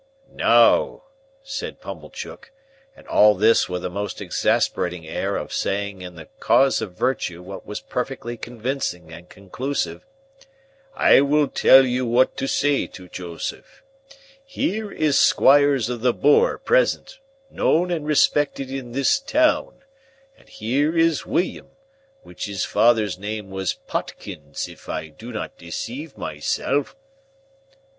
"Now," said Pumblechook, and all this with a most exasperating air of saying in the cause of virtue what was perfectly convincing and conclusive, "I will tell you what to say to Joseph. Here is Squires of the Boar present, known and respected in this town, and here is William, which his father's name was Potkins if I do not deceive myself."